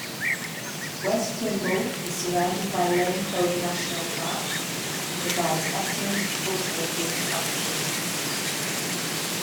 West Pymble is surrounded by Lane Cove National Park and provides excellent bushwalking opportunities.